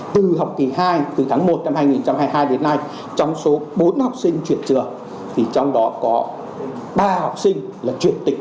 từ tháng một năm hai nghìn hai mươi hai đến nay trong số bốn học sinh chuyển trường thì trong đó có ba học sinh là chuyển tịch